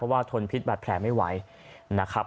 เพราะว่าทนพิษบาดแผลไม่ไหวนะครับ